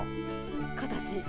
今年。